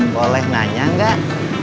boleh nanya gak